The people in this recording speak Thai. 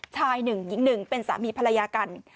ชายหนึ่งหญิงหนึ่งเป็นสามีภรรยากัน